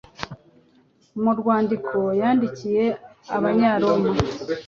Mu rwandiko yandikiye Abanyaroma,